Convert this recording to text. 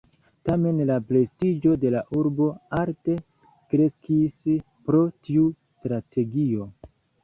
Tamen la prestiĝo de la urbo alte kreskis pro tiu strategio.